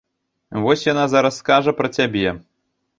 Вось яна зараз скажа пра цябе!